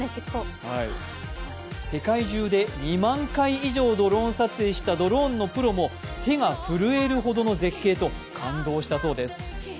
世界中で２万回以上ドローン撮影したドローンのプロも手が震えるほどの絶景と感動したそうです。